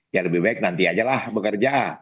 ya lebih baik nanti ajalah bekerja